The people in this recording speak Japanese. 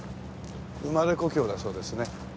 生まれ故郷だそうですね。